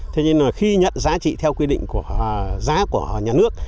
thế nhưng mà khi nhận giá trị theo quy định của giá của nhà nước